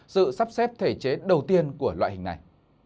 sự sắp xếp thể chế đầu tiên của loại hình này